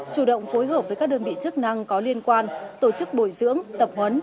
chủ động phối hợp với các đơn vị chức năng có liên quan tổ chức bồi dưỡng tập huấn